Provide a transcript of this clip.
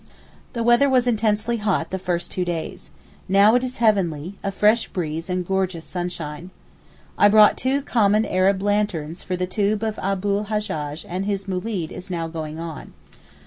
The weather was intensely hot the first two days. Now it is heavenly, a fresh breeze and gorgeous sunshine. I brought two common Arab lanterns for the tomb of Abu l Hajjaj and his moolid is now going on.